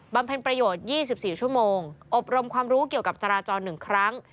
เพ็ญประโยชน์๒๔ชั่วโมงอบรมความรู้เกี่ยวกับจราจร๑ครั้ง